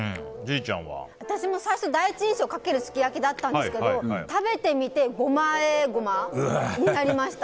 私も第一印象はかけるすき焼だったんですけど食べてみてごま和え胡麻になりました。